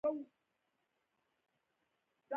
پیاله د ارامۍ احساس راولي.